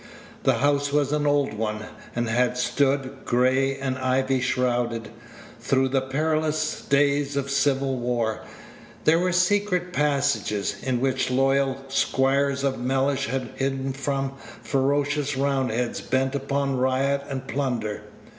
The house was an old one, and had stood, gray and ivy shrouded, through the perilous days of civil war. There were secret passages, in which loyal squires of Mellish had hidden from ferocious Roundheads bent upon riot and plunder.